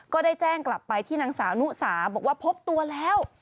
ก็ได้แจ้งกลับไปที่นางสาวนุสาบอกว่าพบตัวแล้ว